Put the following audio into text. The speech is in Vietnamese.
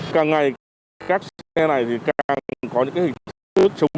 càng ngày khách xe này thì càng có những hình thức chung